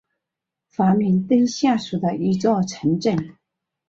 法明顿下属的一座城镇。